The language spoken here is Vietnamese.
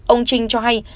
ông trinh cho hay